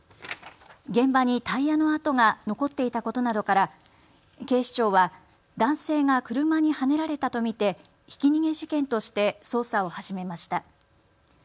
現場にタイヤの跡が残っていたことなどから警視庁は男性が車にはねられたと見てひき逃げ事件として捜査を始めました。